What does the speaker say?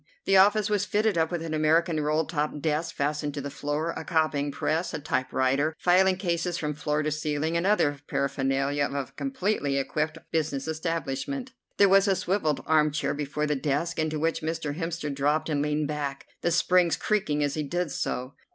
The office was fitted up with an American roll top desk fastened to the floor, a copying press, a typewriter, filing cases from floor to ceiling, and other paraphernalia of a completely equipped business establishment. There was a swivelled armchair before the desk, into which Mr. Hemster dropped and leaned back, the springs creaking as he did so.